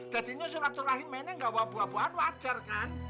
jadinya surat surah ini gak wabu wabuan wajar kan